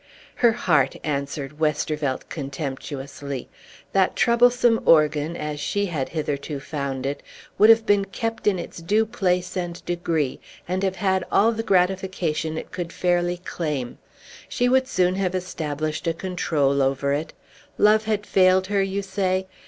"Her heart!" answered Westervelt contemptuously. "That troublesome organ (as she had hitherto found it) would have been kept in its due place and degree, and have had all the gratification it could fairly claim. She would soon have established a control over it. Love had failed her, you say.